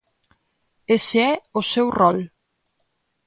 ¡Ese é o seu rol!